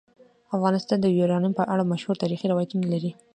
افغانستان د یورانیم په اړه مشهور تاریخی روایتونه لري.